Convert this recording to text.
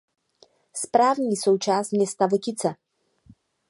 Správní součást města Votice.